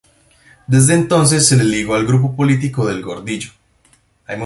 Desde entonces se le ligó al grupo político de Gordillo.